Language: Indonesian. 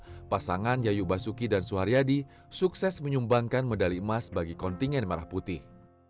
di asean games beijing tahun seribu sembilan ratus sembilan puluh pasangan yayu basuki dan suharyadi sukses menyumbangkan medali emas bagi kontingen marah putih